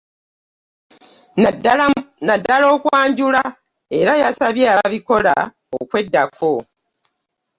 Naddala okwanjula era yasabye ababikola okweddako